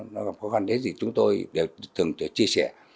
nó có phần hết thì chúng tôi đều thường chia sẻ